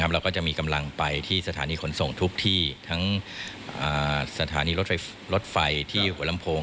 เราก็จะมีกำลังไปที่สถานีขนส่งทุกที่ทั้งสถานีรถไฟที่หัวลำโพง